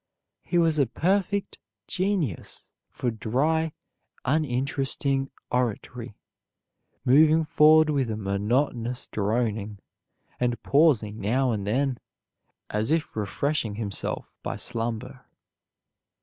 He was a perfect genius for dry uninteresting oratory, moving forward with a monotonous droning, and pausing now and then as if refreshing himself by slumber.